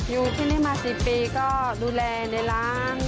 อยู่ที่นี่มา๑๐ปีก็ดูแลในร้าง